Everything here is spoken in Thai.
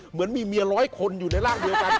เหมือนมีเมียร้อยคนอยู่ในร่างเดียวกัน